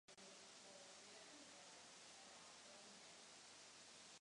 Každý poslanec zastupuje jeden obvod.